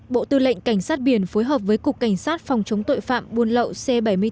bộ tư lệnh cảnh sát biển phối hợp với cục cảnh sát phòng chống tội phạm buôn lậu c bảy mươi bốn